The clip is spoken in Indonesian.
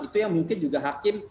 itu yang mungkin juga hakim